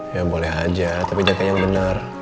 ya boleh aja tapi jaga yang benar